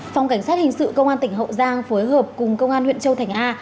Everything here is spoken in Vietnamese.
phòng cảnh sát hình sự công an tỉnh hậu giang phối hợp cùng công an huyện châu thành a